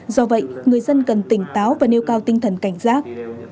do vậy người dân cần tỉnh táo và nêu cao tinh thần cảnh giác